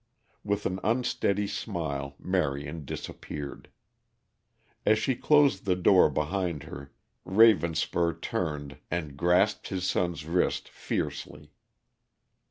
With an unsteady smile Marion disappeared. As she closed the door behind her, Ravenspur turned and grasped his son's wrist fiercely.